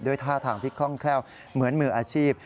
ท่าทางที่คล่องแคล่วเหมือนมืออาชีพ